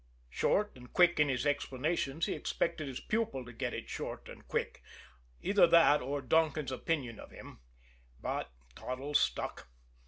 Short and quick in his explanations, he expected his pupil to get it short and quick; either that, or Donkin's opinion of him. But Toddles stuck.